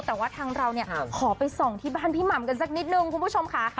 แต่ว่าทางเราเนี่ยขอไปส่องที่บ้านพี่หม่ำกันสักนิดนึงคุณผู้ชมค่ะ